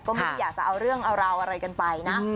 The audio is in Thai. ก็ไม่ได้อยากจะเอาเรื่องเอาราวอะไรกันไปนะ